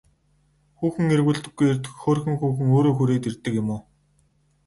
Хүүхэн эргүүлдэггүй эрд хөөрхөн хүүхэн өөрөө хүрээд ирдэг юм уу?